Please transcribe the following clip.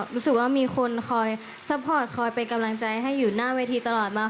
รู้สึกว่ามีคนคอยซัพพอร์ตคอยเป็นกำลังใจให้อยู่หน้าเวทีตลอดมา